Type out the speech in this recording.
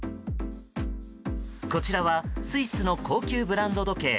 こちらは、スイスの高級ブランド時計